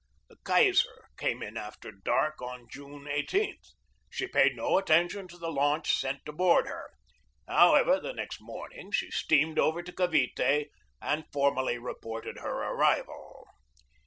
The Kaiser came in after dark on June 18. She paid no atten tion to the launch sent to board her. However, the next morning she steamed over to Cavite and for mally reported her arrival.